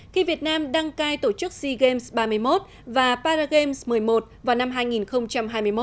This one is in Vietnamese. khi việt nam đăng cai tổ chức sea games ba mươi một và paragame một mươi một vào năm hai nghìn hai mươi một